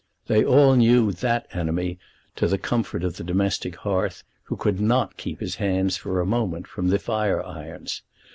They all knew that enemy to the comfort of the domestic hearth, who could not keep his hands for a moment from the fire irons.